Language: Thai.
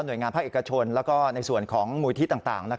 หน่วยงานพักเอกชนแล้วก็ในส่วนของมูลทิศต่าง